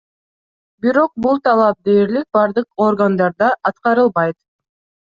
Бирок бул талап дээрлик бардык органдарда аткарылбайт.